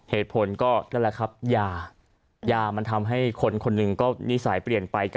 เหตุผลก็นั่นแหละครับยายามันทำให้คนคนหนึ่งก็นิสัยเปลี่ยนไป